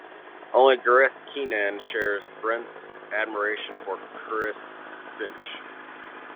Only Gareth Keenan shares Brent's admiration for Chris Finch.